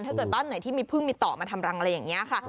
ถ้าเกิดบ้านไหนที่มีพึ่งมีต่อมาทำรังอะไรอย่างนี้ค่ะ